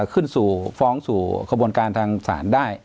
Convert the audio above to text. ขึ้นฟ้องสู่กระบวนการทางศาลค์ได้